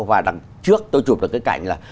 và trước tôi chụp được cái cảnh là